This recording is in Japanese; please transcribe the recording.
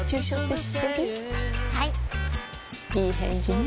いい返事ね